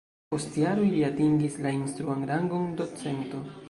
Post jaroj li atingis la instruan rangon docento.